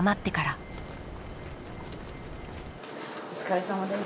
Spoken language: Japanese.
お疲れさまです。